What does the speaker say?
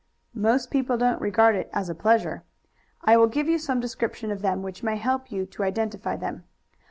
"Most people don't regard it as a pleasure. I will give you some description of them which may help you to identify them.